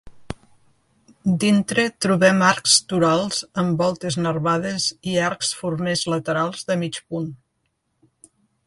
Dintre trobem arcs torals amb voltes nervades i arcs formers laterals de mig punt.